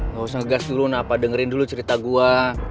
gak usah ngegas dulu dengerin dulu cerita gue